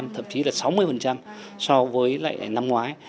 thậm chí là sáu mươi so với lại năm ngoái